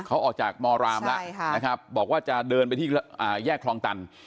เขาออกจากมอรามล่ะใช่ค่ะนะครับบอกว่าจะเดินไปที่อ่า